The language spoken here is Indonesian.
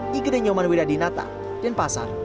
di gedenyomanwida dinata denpasar